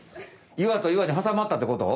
岩と岩にはさまったってこと？